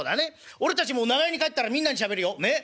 俺たちも長屋に帰ったらみんなにしゃべるよねっ。